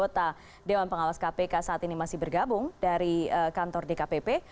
tetap bersama kami di seandain indonesia